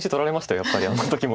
やっぱりあの時も。